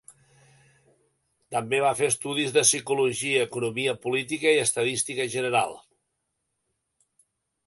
També va fer estudis de psicologia, economia política i estadística general.